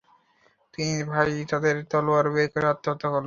তিনি ভাই তাদের তলোয়ার বের করে আত্মহত্যা করল।